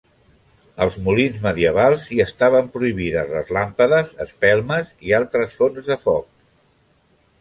Als molins medievals hi estaven prohibides les làmpades, espelmes, i altres fonts de foc.